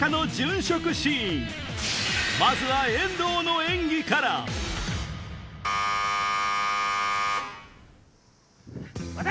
まずは遠藤の演技から待て！